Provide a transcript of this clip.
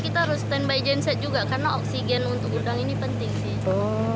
kita harus stand by genset juga karena oksigen untuk udang ini penting sih